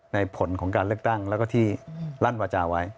ผลของการเลือกตั้งแล้วก็ที่ลั่นวาจาไว้